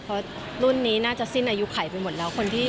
เพราะรุ่นนี้น่าจะสิ้นอายุไขไปหมดแล้ว